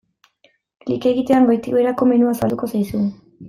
Klik egitean goitik-beherako menua zabalduko zaizu.